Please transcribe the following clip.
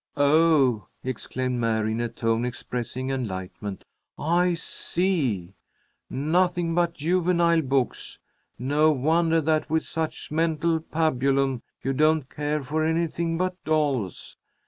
"Oh!" exclaimed Mary, in a tone expressing enlightenment. "I see! Nothing but juvenile books! No wonder that, with such mental pabulum, you don't care for anything but dolls!